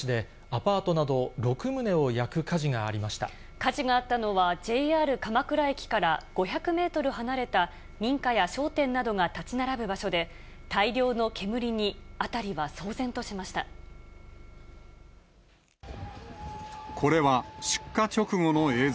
火事があったのは、ＪＲ鎌倉駅から５００メートル離れた民家や商店などが建ち並ぶ場所で、これは出火直後の映像。